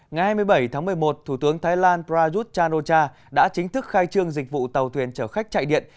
ngày hai mươi bảy tháng một mươi một thủ tướng thái lan prayuth chan o cha đã chính thức khai trương dịch vụ tàu thuyền chở khách chạy điện